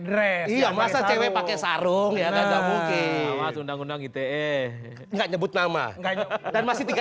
dre iya masa cewek pakai sarung ya nggak mungkin mas undang undang ite enggak nyebut nama dan masih tiga